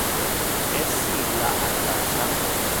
Es illa a casa?